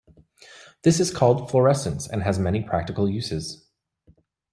This is called "fluorescence", and has many practical uses.